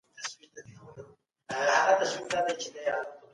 ظلم د ټولني دښمن دی.